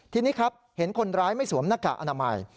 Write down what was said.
ทีนี้ครับเห็นคนร้ายไม่สวมหน้ากากอนามัย